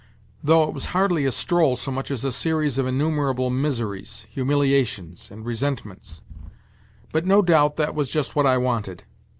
Though it was hardly a stroll so much as a series of innumerable miseries, humiliations and resentments ; but no doubt that was just what I wanted.